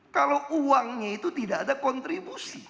kalau uangnya itu tidak ada kontribusi